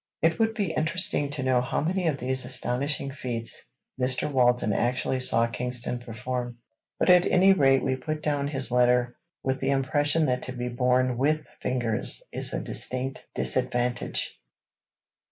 It would be interesting to know how many of these astonishing feats Mr. Walton actually saw Kingston perform. But at any rate we put down his letter with the impression that to be born with fingers is a distinct disadvantage.